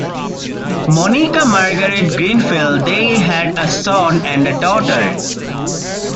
Monica Margaret Grenfell; they had a son and a daughter.